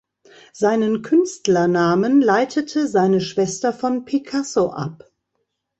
Seinen Künstlernamen leitete seine Schwester von Picasso ab.